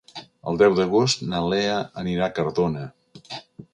El deu d'agost na Lea anirà a Cardona.